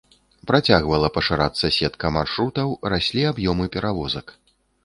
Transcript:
Працягвала пашырацца сетка маршрутаў, раслі аб'ёмы перавозак.